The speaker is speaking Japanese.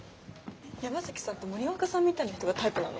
山崎さんって森若さんみたいな人がタイプなの？